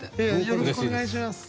よろしくお願いします。